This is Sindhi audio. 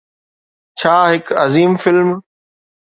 ڇا هڪ عظيم فلم